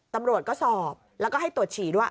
ตำรวจก็สอบแล้วก็ให้ตรวจฉี่ด้วย